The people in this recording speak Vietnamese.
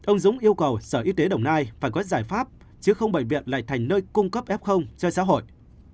ông dũng yêu cầu sở y tế đồng nai phải có giải pháp chứ không bệnh viện lại thành nơi cung cấp f cho xã hội